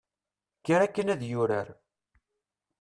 kker akken ad yurar